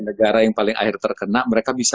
negara yang paling akhir terkena mereka bisa